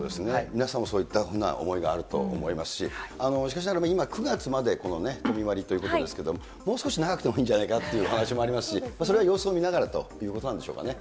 皆さんもそういったふうな思いがあると思いますし、しかしながら今、９月まで都民割ということですけれども、もう少し長くてもいいんじゃないかという話もありますし、それは様子を見ながらということなんでしょうかね。